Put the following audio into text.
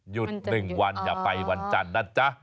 หยุด๑วันอย่าไปวันจันทร์นะจ๊ะ